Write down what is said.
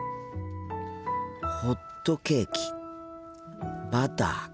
ホットケーキバターか。